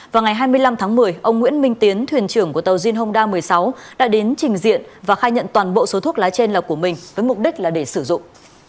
vào ngày hai mươi năm tháng một mươi ông nguyễn minh tiến thuyền trưởng của tàu zinhonda một mươi sáu đã đến trình diện và khai nhận toàn bộ số thuốc lá trên là của mình với mục đích là để sử dụng